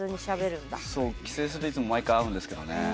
帰省する時毎回、会うんですけどね。